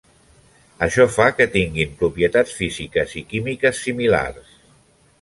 Això fa que tinguin propietats físiques i químiques similars.